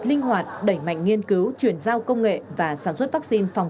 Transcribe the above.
linh hoạt đẩy mạnh nghiên cứu chuyển giao công nghệ và sản xuất vaccine phòng